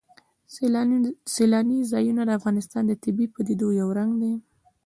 سیلانی ځایونه د افغانستان د طبیعي پدیدو یو رنګ دی.